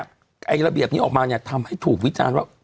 ไอ้ระเบียบนี้ออกมาเนี่ยทำให้ถูกวิจารณ์ว่า